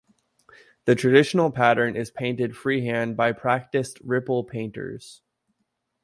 The traditional pattern is painted free-hand by practised "ripple" painters.